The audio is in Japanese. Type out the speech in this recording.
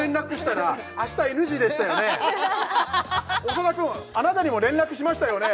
長田くんあなたにも連絡しましたよね